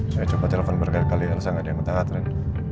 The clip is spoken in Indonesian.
saya coba telepon bergerak kali elsa nggak ada yang mentah ren